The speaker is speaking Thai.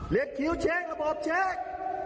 เรียกคิวเช็คระบบเช็ค